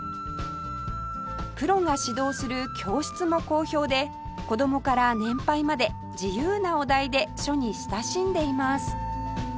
プロが指導する教室も好評で子供から年配まで自由なお題で書に親しんでいます